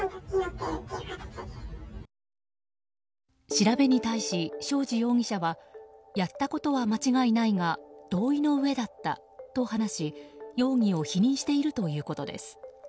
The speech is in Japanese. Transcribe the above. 調べに対し、正地容疑者はやったことは間違いないが同意の上だったと話し容疑を否認しているということです。